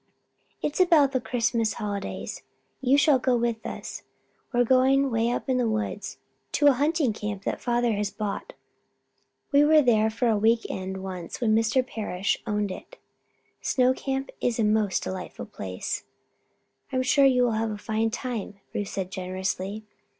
"It's about the Christmas Holidays. You shall go with us. We're going 'way up in the woods to a hunting camp that father has bought. We were there for a week end once when Mr. Parrish owned it. Snow Camp is the most delightful place." "I am sure you will have a fine time," Ruth said, generously.